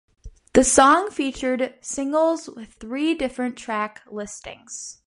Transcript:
The song featured singles with three different track listings.